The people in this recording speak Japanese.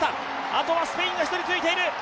あとはスペインが１人ついている。